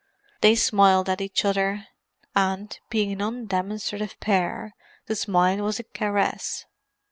They smiled at each other; and, being an undemonstrative pair, the smile was a caress.